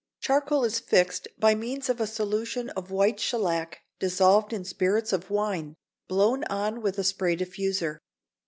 Charcoal is fixed by means of a solution of white shellac dissolved in spirits of wine, blown on with a spray diffuser.